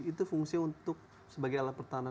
itu fungsi untuk sebagai alat pertahanan